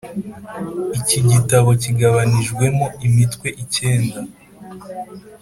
Iki gitabo kigabanijwemo imitwe ikenda